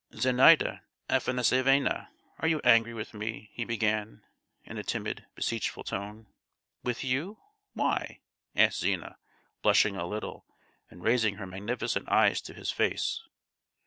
"Zenaida Afanassievna, are you angry with me?" he began, in a timid, beseechful tone. "With you? Why?" asked Zina, blushing a little, and raising her magnificent eyes to his face.